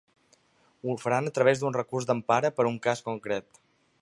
Ho faran a través d’un recurs d’empara per un cas concret.